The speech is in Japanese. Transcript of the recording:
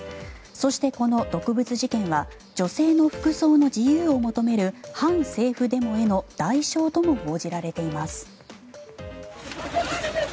そして、この毒物事件は女性の服装の自由を求める反政府デモへの代償とも報じられています。